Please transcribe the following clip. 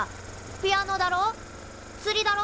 ピアノだろつりだろ